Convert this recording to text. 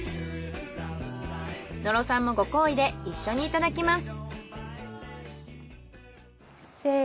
野呂さんもご厚意で一緒にいただきます。